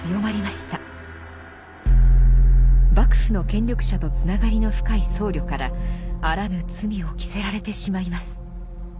幕府の権力者とつながりの深い僧侶からあらぬ罪を着せられてしまいます。